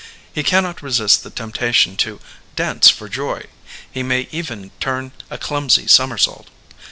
He can not resist the temptation to ''dance for joy ;'* he may even turn a clumsy somer sault.